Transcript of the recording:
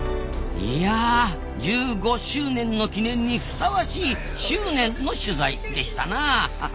いや１５周年の記念にふさわしい「執念」の取材でしたなあ。